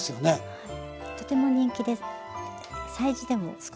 はい。